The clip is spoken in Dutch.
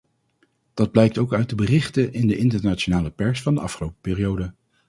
Dat blijkt ook uit de berichten in de internationale pers van de afgelopen periode.